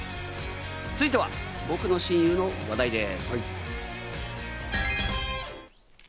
続いては僕の親友の話題です。